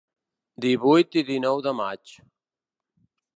Divuit i dinou de maig.